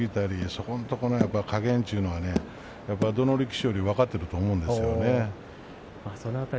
そこのところは加減というものがどの力士よりも分かっていると思います。